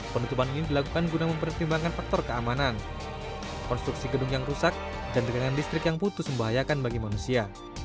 penutupan ini dilakukan guna mempertimbangkan faktor keamanan konstruksi gedung yang rusak dan tegangan listrik yang putus membahayakan bagi manusia